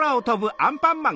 アンパンマン！